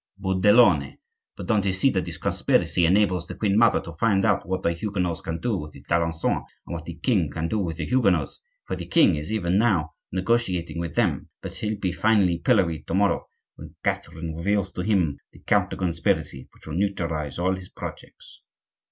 "Budelone! but don't you see that this conspiracy enables the queen mother to find out what the Huguenots can do with the Duc d'Alencon, and what the king can do with the Huguenots?—for the king is even now negotiating with them; but he'll be finely pilloried to morrow, when Catherine reveals to him the counter conspiracy which will neutralize all his projects."